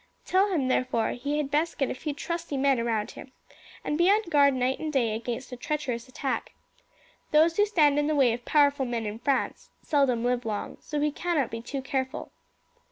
Tell him therefore he had best get a few trusty men around him, and be on guard night and day against a treacherous attack. Those who stand in the way of powerful men in France seldom live long, so he cannot be too careful."